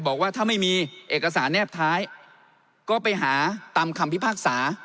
บอกว่าถ้าไม่มีเอกสารแนบท้ายก็ไปหาตามคำพิพากษา